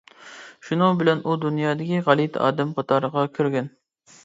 شۇنىڭ بىلەن ئۇ دۇنيادىكى غەلىتە ئادەم قاتارىغا كىرگەن.